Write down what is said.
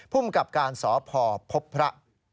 ผู้มกับการสอบพอพบพระ